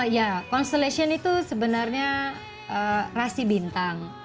ya consullation itu sebenarnya rasi bintang